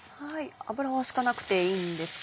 油は引かなくていいんですか？